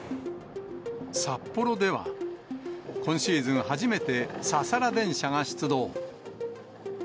札幌では、今シーズン初めて、ササラ電車が出動。